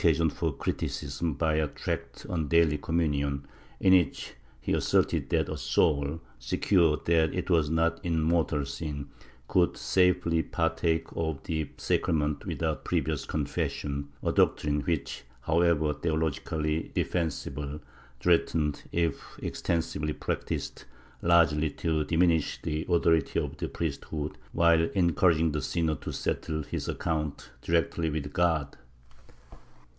V] MOLINOS 51 sion for criticism by a tract on daily communion, in which he asserted that a soul, secure that it was not in mortal sin, could safely partake of the sacrament without previous confession — a doctrine which, however, theologically defensible, threatened, if extensively practised, largely to diminish the authority of the priesthood, while encouraging the sinner to settle his account directly with God.